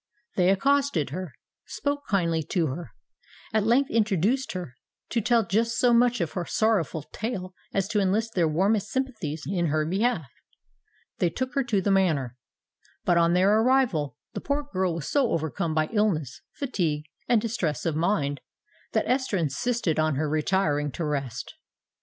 They accosted her—spoke kindly to her—and at length induced her to tell just so much of her sorrowful tale as to enlist their warmest sympathies in her behalf. They took her to the Manor; but on their arrival, the poor girl was so overcome by illness, fatigue, and distress of mind, that Esther insisted on her retiring to rest.